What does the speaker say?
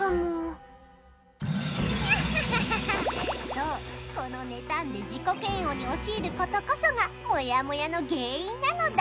そう、この妬んで自己嫌悪に陥ることこそがモヤモヤの原因なのだ。